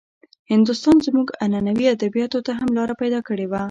هندوستان زموږ عنعنوي ادبياتو ته هم لاره پيدا کړې وه.